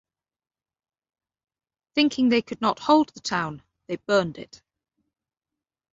Thinking they could not hold the town, they burned it.